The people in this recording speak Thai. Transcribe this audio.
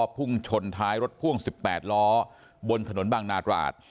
พุ่งชนท้ายรถพ่วง๑๘ล้อบนถนนบางนาตราด